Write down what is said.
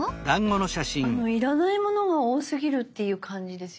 要らないものが多すぎるっていう感じですよね。